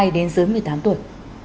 đến dưới một mươi tám tuổi